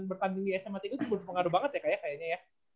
bertanding di sma tiga itu berpengaruh banget ya kayaknya ya